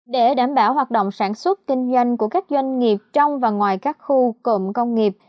để đảm bảo hoạt động sản xuất kinh doanh của các doanh nghiệp trong và ngoài các khu cụm công nghiệp